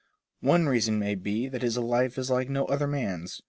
One reason may be that his life is like no other man's.